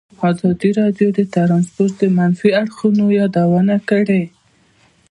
ازادي راډیو د ترانسپورټ د منفي اړخونو یادونه کړې.